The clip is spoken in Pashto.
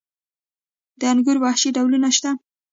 د انګورو وحشي ډولونه شته؟